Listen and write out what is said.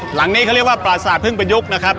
หลังนี้เขาเรียกว่าปราศาสตพึ่งประยุกต์นะครับ